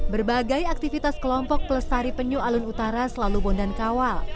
berbagai aktivitas kelompok pelestari penyu alun utara selalu bondan kawal